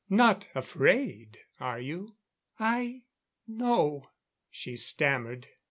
"Not afraid, are you?" "I no," she stammered.